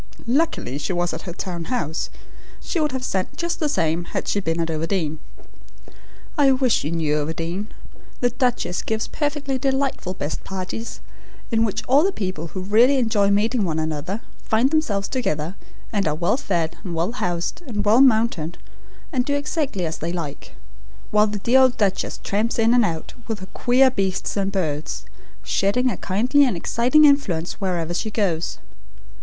Luckily she was at her town house. She would have sent just the same had she been at Overdene. I wish you knew Overdene. The duchess gives perfectly delightful 'best parties,' in which all the people who really enjoy meeting one another find themselves together, and are well fed and well housed and well mounted, and do exactly as they like; while the dear old duchess tramps in and out, with her queer beasts and birds, shedding a kindly and exciting influence wherever she goes.